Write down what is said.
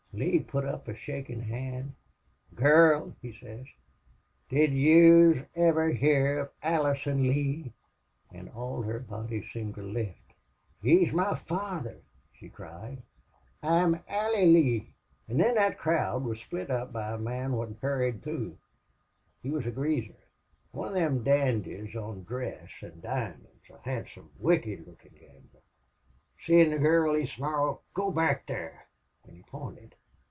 "Lee put up a shakin' hand. "'Gurl,' he sez, 'did yez iver hear of Allison Lee?' "An' all her seemed to lift. "'He is my father!' she cried. 'I am Allie Lee!' "Ah! thin that crowd wuz split up by a mon wot hurried through. He wuz a greaser one of thim dandies on dress an' diamonds a handsome, wicked lookin' gambler. Seein' the gurl, he snarled, 'Go back there!' an' he pointed.